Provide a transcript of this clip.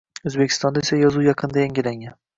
O‘zbekistonda esa yozuv yaqinda yangilangan